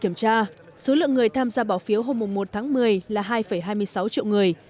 trong khi đó số lượng người tham gia bỏ phiếu hôm một tháng một mươi là hai hai mươi sáu triệu người